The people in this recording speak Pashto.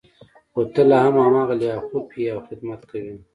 خو ته لا هم هماغه لیاخوف یې او خدمت کوې